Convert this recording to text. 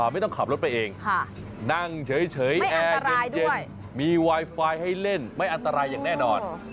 ไม่ต้องขับรถไปเองนั่งเฉยแอร์เย็นมีไวไฟให้เล่นไม่อันตรายอย่างแน่นอน